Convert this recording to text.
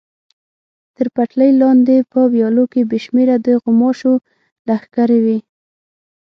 تر پټلۍ لاندې په ویالو کې بې شمېره د غوماشو لښکرې وې.